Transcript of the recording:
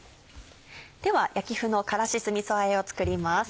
では焼き麩の辛子酢みそあえを作ります。